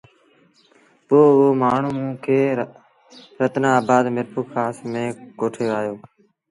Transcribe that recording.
پوء او مآڻهوٚݩ موݩ کي رتنآن آبآد ميرپورکآس ميݩ ڪوٺي آيو۔